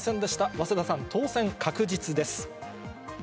早稲田さん、当選確実です。